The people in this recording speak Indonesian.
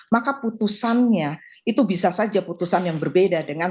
maka putusannya itu bisa saja putusan yang berbeda dengan